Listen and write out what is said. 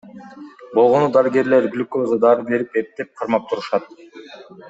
Болгону дарыгерлер глюкоза, дары берип эптеп кармап турушат.